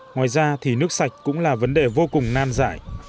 ngoài ra thì nước sạch cũng là vấn đề vô cùng nan dại